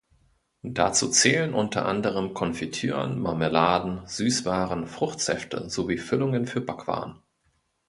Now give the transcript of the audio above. Dazu zählen unter anderem Konfitüren, Marmeladen, Süßwaren, Fruchtsäfte sowie Füllungen für Backwaren.